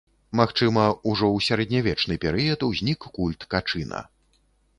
Магчыма, ужо у сярэднявечны перыяд узнік культ качына.